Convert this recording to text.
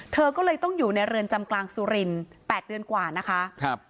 เธอก็เลยต้องอยู่ในเรือนจำกลางสุรินแปดเดือนกว่านะคะ